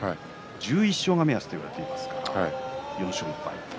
１１勝が目安といわれていますから４勝１敗。